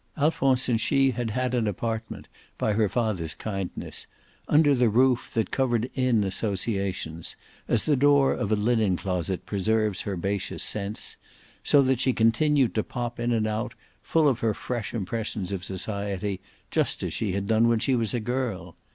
Alphonse and she had had an apartment, by her father's kindness, under the roof that covered in associations as the door of a linen closet preserves herbaceous scents, so that she continued to pop in and out, full of her fresh impressions of society, just as she had done when she was a girl.